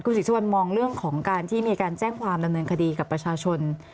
ศรีสุวรรณมองเรื่องของการที่มีการแจ้งความดำเนินคดีกับประชาชน